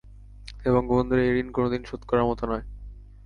তাই বঙ্গবন্ধুর এই ঋণ কোনো দিন শোধ করার মতো নয়।